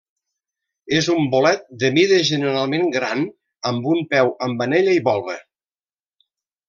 És un bolet de mida generalment gran amb un peu amb anell i volva.